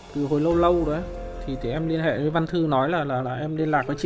từ hồi lâu lâu rồi thì em liên hệ với văn thư nói là em liên lạc với chị